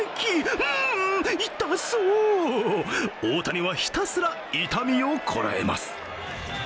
うーん、痛そう大谷はひたすら痛みをこらえます。